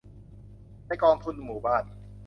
ในกองทุนหมู่บ้าน